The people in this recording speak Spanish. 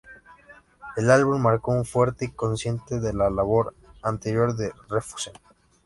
El álbum marcó un fuerte y consciente de la labor anterior de Refused.